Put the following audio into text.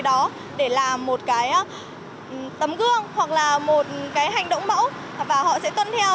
đó để làm một cái tấm gương hoặc là một cái hành động mẫu và họ sẽ tuân theo